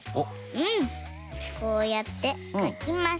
こうやってかきます。